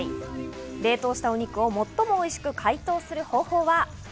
冷凍したお肉を最もおいしく解凍する方法は？